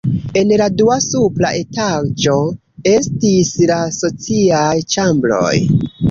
En la dua supra etaĝo estis la sociaj ĉambroj.